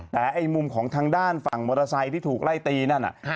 แต่ไอ้มุมของทางด้านฝั่งมอเตอร์ไซค์ที่ถูกไล่ตีนั่นน่ะ